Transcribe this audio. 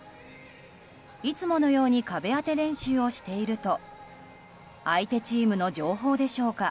いつものように壁当て練習をしていると相手チームの情報でしょうか。